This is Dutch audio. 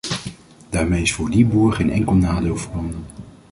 Daarmee is voor die boer geen enkel nadeel verbonden.